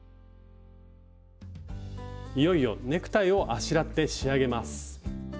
いよいよネクタイをあしらって仕上げます。